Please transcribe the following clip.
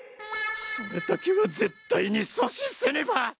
それだけは絶対に阻止せねば！！